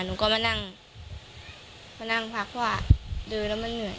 หนูก็มานั่งมานั่งพักเพราะว่าเดินแล้วมันเหนื่อย